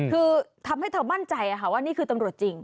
คือทำให้เธอมั่นใจว่านี่คือตำรวจจริง